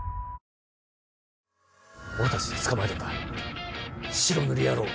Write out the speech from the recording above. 俺たちで捕まえるんだ白塗り野郎を。